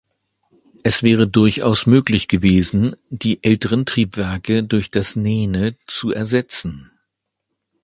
Es wäre durchaus möglich gewesen, die älteren Triebwerke durch das Nene zu ersetzen.